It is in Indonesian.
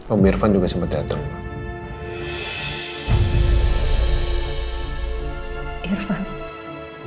om irfan juga sempet dateng